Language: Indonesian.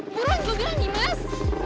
buruan juga gini mes